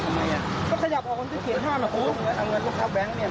อุ้งไม่ต้องนะคะ